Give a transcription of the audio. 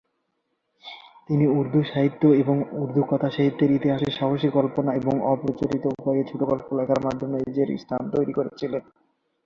তিনি উর্দু সাহিত্য এবং উর্দু কথাসাহিত্যের ইতিহাসে সাহসী কল্পনা এবং অপ্রচলিত উপায়ে ছোট গল্প লেখার মাধ্যমে নিজের স্থান তৈরি করেছিলেন।